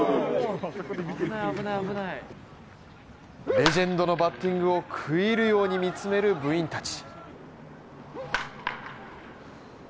レジェンドのバッティングを食い入るように見つめる部員たち。